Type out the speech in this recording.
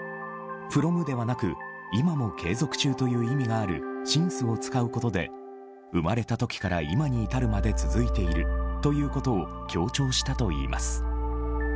ｆｒｏｍではなく今も継続中という意味があるｓｉｎｃｅを使うことで生まれた時から今に至るまで続いているということを強調したといいます。